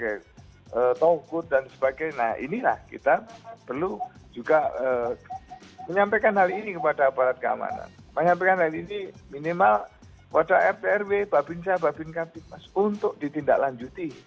itu menjadi target utama untuk di rekrut